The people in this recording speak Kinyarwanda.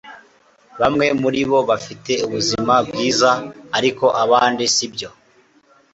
Bamwe muribo bafite ubuzima bwiza, ariko abandi sibyo.